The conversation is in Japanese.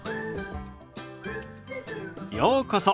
ようこそ。